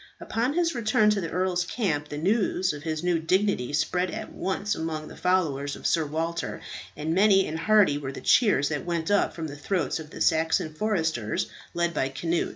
Upon his return to the earl's camp the news of his new dignity spread at once among the followers of Sir Walter, and many and hearty were the cheers that went up from the throats of the Saxon foresters, led by Cnut.